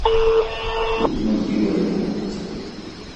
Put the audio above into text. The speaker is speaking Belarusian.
Тут магіла яго мацеры.